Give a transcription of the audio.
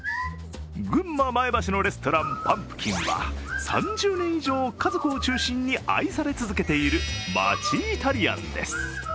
群馬・前橋のレストランパンプキンは３０年以上、家族を中心に愛され続けている町イタリアンです。